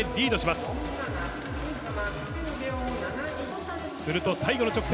すると最後の直線。